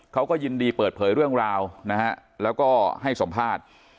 เขาก็ยินดีเปิดเผยเรื่องราวนะฮะแล้วก็ให้สัมภาษณ์